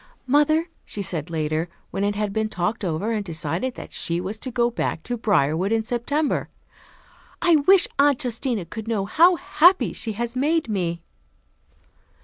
"Mother," she said later, when it had been talked over and decided that she was to go back to Briarwood in September, "I wish Aunt Justina could know how happy she has made me."